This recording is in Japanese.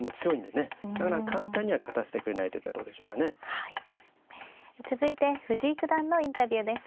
続いて藤井九段のインタビューです。